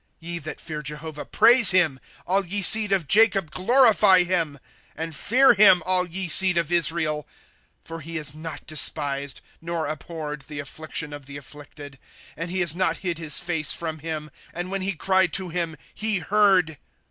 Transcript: ^^ Ye that fear Jehovah praise him ; All ye seed of Jacob glorify him, And fear him all ye seed of Israel. ^* For he has not despised, nor abhorred, the afSictioti of the afflicted^ And has not hid his face from him ; And when he cried to him, he heard.